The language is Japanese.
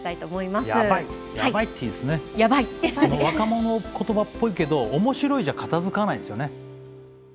若者言葉っぽいけど面白いじゃ片づかないですよね。